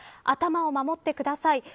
頭を守ってください。